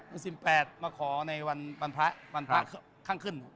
ถือสินแปดมาขอในวันพระขั้นขึ้น